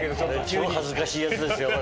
超恥ずかしいやつですよ